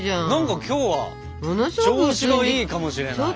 何か今日は調子がいいかもしれない。